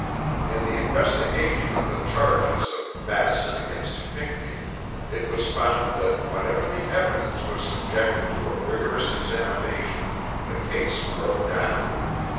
In the investigation of the charges of Madison against Pinckney it was found that whenever the evidence was subjected to a rigorous examination the case broke down.